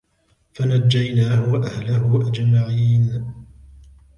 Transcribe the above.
فَنَجَّيْنَاهُ وَأَهْلَهُ أَجْمَعِينَ